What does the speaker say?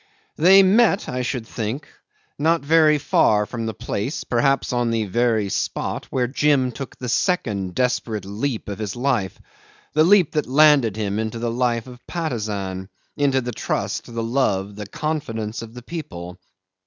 'They met, I should think, not very far from the place, perhaps on the very spot, where Jim took the second desperate leap of his life the leap that landed him into the life of Patusan, into the trust, the love, the confidence of the people.